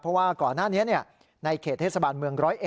เพราะว่าก่อนหน้านี้ในเขตเทศบาลเมือง๑๐๑